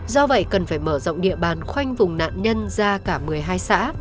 do vậy cần phải mở rộng địa bàn khoanh vùng nạn nhân ra cả một mươi hai xã